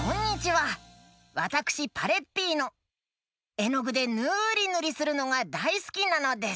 えのぐでぬりぬりするのがだいすきなのです。